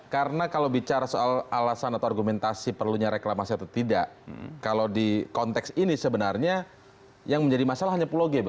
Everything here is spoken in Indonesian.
karena kalau bicara soal alasan atau argumentasi perlunya reklamasi atau tidak kalau di konteks ini sebenarnya yang menjadi masalah hanya pulau g